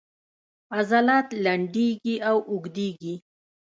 عضلات لنډیږي او اوږدیږي